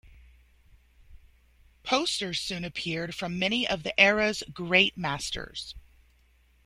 Posters soon appeared from many of the era's great masters.